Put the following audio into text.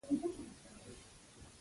پکار ده تل له خلکو سره ښېګڼه وشي.